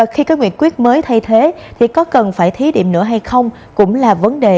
khi có nghị quyết mới thay thế có cần phải thí điểm nữa hay không cũng là vấn đề